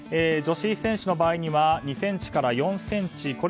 女子選手の場合には２ｃｍから４ｃｍ。